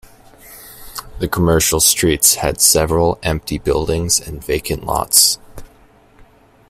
The commercial streets had several empty buildings and vacant lots.